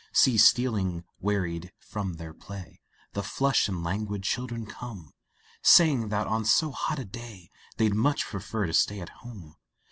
See stealing, wearied from their play, The flushed and languid children come, Saying that on so hot a day They'd much prefer to stay at home.